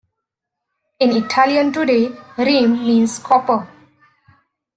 In Italian today "rame" means "copper".